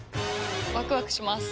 ワクワクします。